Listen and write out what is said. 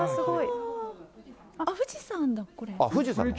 あっ、富士山だ、これ。